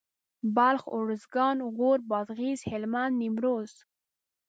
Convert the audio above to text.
بلخ اروزګان غور بادغيس هلمند نيمروز